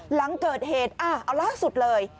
หลังเกิดเหตุเอาล่าสุดเลย